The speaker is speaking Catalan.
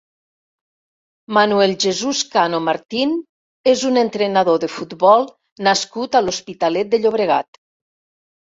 Manuel Jesús Cano Martín és un entrenador de futbol nascut a l'Hospitalet de Llobregat.